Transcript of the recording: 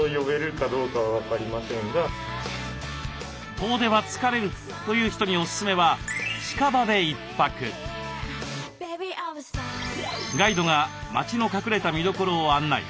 遠出は疲れるという人におすすめはガイドが街の隠れた見どころを案内。